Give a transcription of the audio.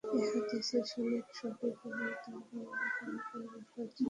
এ হাদীসের সনদ সহীহ এবং তার বর্ণনাকারীগণ নির্ভরযোগ্য।